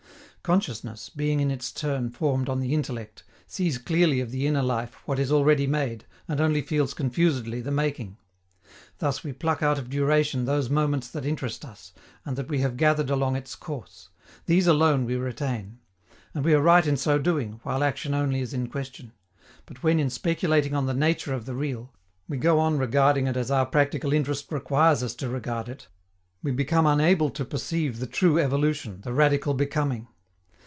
Consciousness, being in its turn formed on the intellect, sees clearly of the inner life what is already made, and only feels confusedly the making. Thus, we pluck out of duration those moments that interest us, and that we have gathered along its course. These alone we retain. And we are right in so doing, while action only is in question. But when, in speculating on the nature of the real, we go on regarding it as our practical interest requires us to regard it, we become unable to perceive the true evolution, the radical becoming.